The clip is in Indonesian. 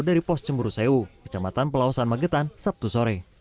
dari pos cemuruseu kecamatan pelawasan magetan sabtu sore